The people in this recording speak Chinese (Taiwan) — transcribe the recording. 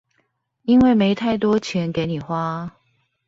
因為沒太多錢給你花